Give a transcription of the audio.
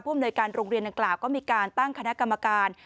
อำนวยการโรงเรียนดังกล่าวก็มีการตั้งคณะกรรมการ